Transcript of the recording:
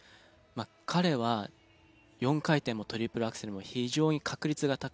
彼は４回転もトリプルアクセルも非常に確率が高い